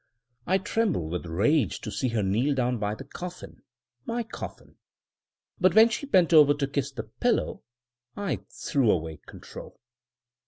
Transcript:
I trembled with rage to see her kneel down by the coffin — my coffin; but when she bent over to kiss the pillow I threw away control.